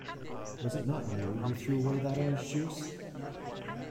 Was it not you who threw away that orange juice?